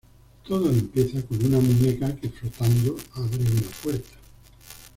Todo empieza con una muñeca que flotando abre una puerta.